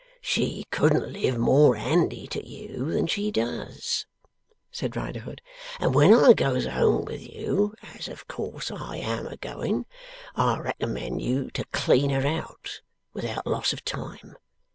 'She couldn't live more handy to you than she does,' said Riderhood, 'and when I goes home with you (as of course I am a going), I recommend you to clean her out without loss of time.